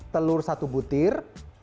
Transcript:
telur satu butir